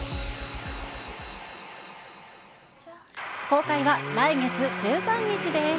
公開は来月１３日です。